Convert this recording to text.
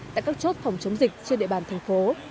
tại các chốt phòng chống dịch trên địa bàn thành phố